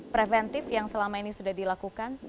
preventif yang selama ini sudah dilakukan